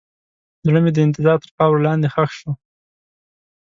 زړه مې د انتظار تر خاورو لاندې ښخ شو.